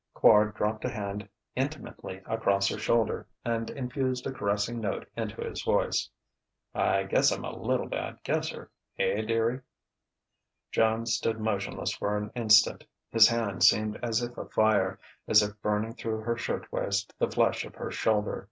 Quard dropped a hand intimately across her shoulder and infused a caressing note into his voice. "I guess I'm a bad little guesser eh, dearie?" Joan stood motionless for an instant. His hand seemed as if afire, as if burning through her shirtwaist the flesh of her shoulder.